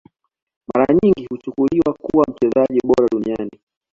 Mara nyingi huchukuliwa kuwa mchezaji bora duniani